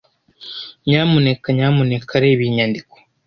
Nyamuneka nyamuneka reba iyi nyandiko?